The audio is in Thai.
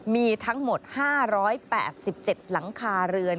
มีทั้งหมด๕๘๗หลังคาเรือน